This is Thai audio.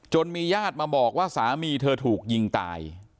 มีญาติมาบอกว่าสามีเธอถูกยิงตาย